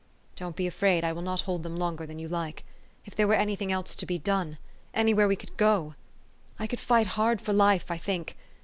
Don't be afraid. I will not hold them longer than } T OU like. If there were any thing else to be done anywhere we could go ! I could fight hard for life, I think.